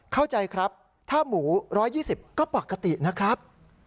เข้าใจครับถ้าหมู๑๒๐ก็ปกตินะครับ